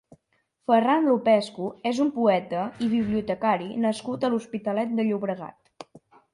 Ferran Lupescu és un poeta i bibliotecari nascut a l'Hospitalet de Llobregat.